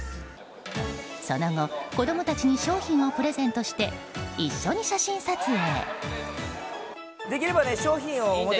その後、子供たちに商品をプレゼントして一緒に写真撮影。